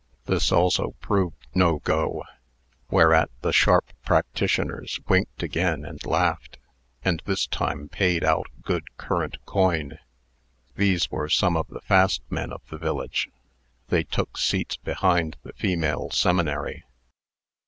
This also proved "no go," whereat the sharp practitioners winked again and laughed, and this time paid out good current coin. These were some of the fast men of the village. They took seats behind the female seminary.